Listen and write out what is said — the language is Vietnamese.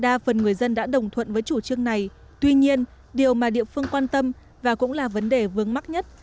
đa phần người dân đã đồng thuận với chủ trương này tuy nhiên điều mà địa phương quan tâm và cũng là vấn đề vướng mắt nhất